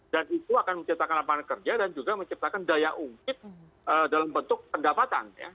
dan itu akan menciptakan lapangan kerja dan juga menciptakan daya ungkit dalam bentuk pendapatan